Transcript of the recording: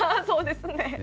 そうですね。